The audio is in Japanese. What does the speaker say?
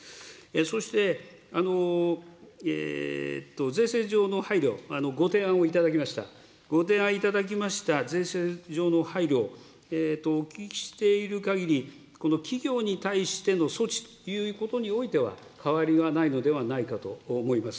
そして税制上の配慮、ご提案を頂きました、ご提案いただきました税制上の配慮、お聞きしているかぎり、この企業に対しての措置ということにおいては、変わりはないのではないかと思います。